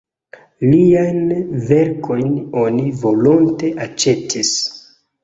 Liajn verkojn oni volonte aĉetis.